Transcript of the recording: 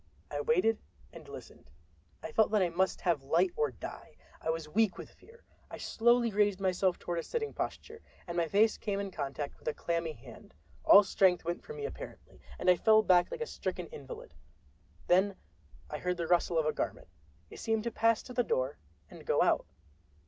I waited and listened. I felt that I must have light or die. I was weak with fear. I slowly raised myself toward a sitting posture, and my face came in contact with a clammy hand! All strength went from me apparently, and I fell back like a stricken invalid. Then I heard the rustle of a garment—it seemed to pass to the door and go out.